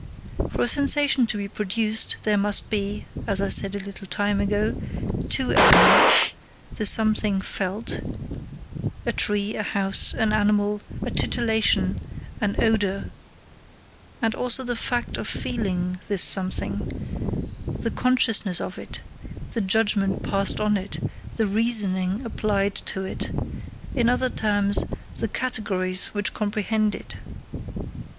For a sensation to be produced; there must be, as I said a little time ago, two elements: the something felt a tree, a house, an animal, a titillation, an odour, and also the fact of feeling this something, the consciousness of it, the judgment passed on it, the reasoning applied to it in other terms, the categories which comprehend it.